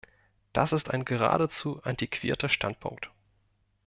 Das ist ein geradezu antiquierter Standpunkt!